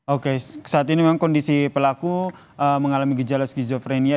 oke saat ini memang kondisi pelaku mengalami gejala skizofrenia